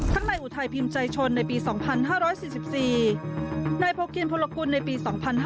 นายอุทัยพิมพ์ใจชนในปี๒๕๔๔นายโพกินพลกุลในปี๒๕๕๙